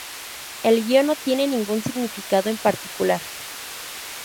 El guion no tiene ningún significado en particular.